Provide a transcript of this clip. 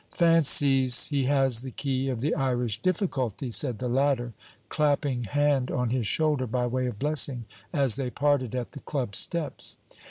'Fancies he has the key of the Irish difficulty!' said the latter, clapping hand on his shoulder, by way of blessing, as they parted at the Club steps.